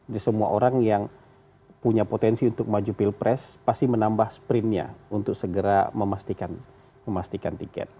jadi semua orang yang punya potensi untuk maju pilpres pasti menambah sprintnya untuk segera memastikan tiket